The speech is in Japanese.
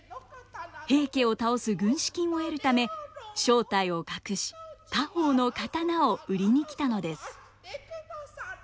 平家を倒す軍資金を得るため正体を隠し家宝の刀を売りに来たのです。